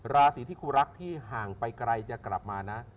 ราศีที่ครูรักที่ห่างไปไกลจะกลับมานะ